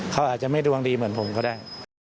เขาอาจจะไม่ดวงดีเหมือนผมก็ได้